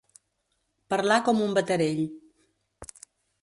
Parlar com un baterell.